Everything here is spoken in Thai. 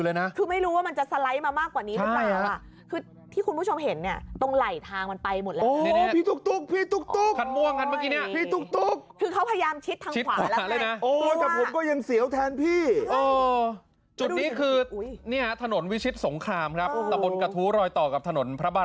ดินกำลังจะไลด์ลงนะครับ